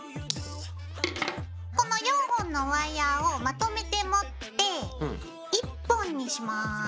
この４本のワイヤーをまとめて持って１本にします。